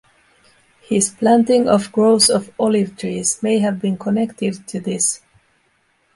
His planting of groves of olive trees may have been connected to this.